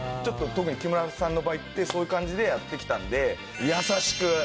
特に木村さんの場合ってそういう感じでやってきたんで。